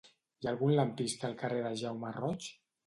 Hi ha algun lampista al carrer de Jaume Roig?